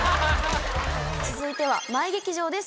続いては「マイ劇場」です